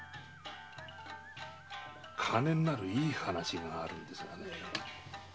金になるいい話があるんですがね。